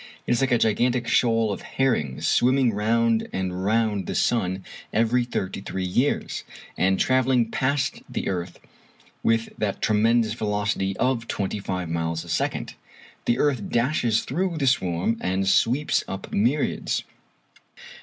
It is like a gigantic shoal of herrings swimming round and round the sun every thirty three years, and travelling past the earth with that tremendous velocity of twenty five miles a second. The earth dashes through the swarm and sweeps up myriads.